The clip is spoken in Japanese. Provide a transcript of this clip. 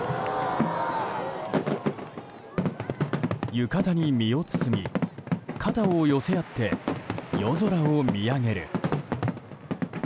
浴衣に身を包み肩を寄せ合って夜空を見上げる。